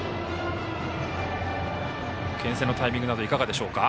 けん制のタイミングなどいかがでしょうか。